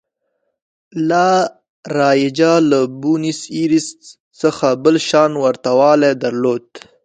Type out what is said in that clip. لا رایجا له بونیس ایرس څخه بل شان ورته والی درلود.